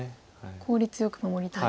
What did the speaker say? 効率よく守りたい。